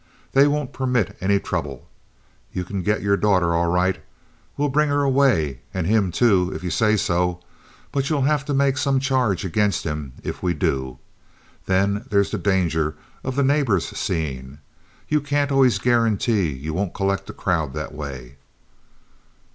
They won't permit any trouble. You can get your daughter all right—we'll bring her away, and him, too, if you say so; but you'll have to make some charge against him, if we do. Then there's the danger of the neighbors seeing. You can't always guarantee you won't collect a crowd that way."